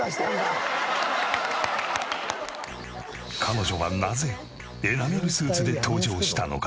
彼女はなぜエナメルスーツで登場したのか？